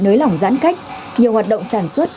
nới lỏng giãn cách nhiều hoạt động sản xuất